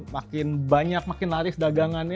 makin banyak makin larif dagangannya